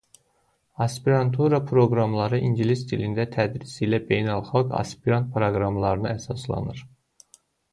Aspirantura proqramları İngilis dilində tədris ilə beynəlxalq aspirant proqramlarına əsaslanır.